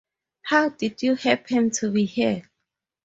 How did you happen to be here?